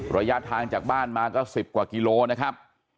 ระยะทางจากบ้านมาก็๑๐กว่ากิโลนะครับ